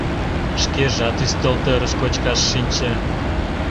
Шкежат ӱстелтӧрыш кочкаш шинче.